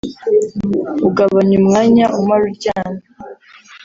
ugabanya umwanya umara uryamye